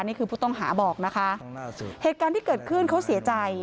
นี่คือผู้ต้องหาบอกนะคะเหตุการณ์ที่เกิดขึ้นเขาเสียใจ